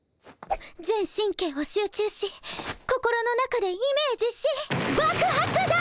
全神経を集中し心の中でイメージし爆発だ！